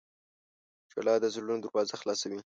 • ژړا د زړونو دروازه خلاصوي.